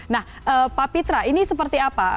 nah pak pitra ini seperti apa